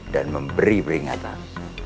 dan memberi peringatan